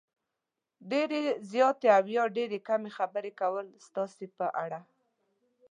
ډېرې زیاتې او یا ډېرې کمې خبرې کول ستاسې په اړه